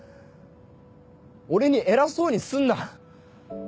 俺に偉そうにすんな。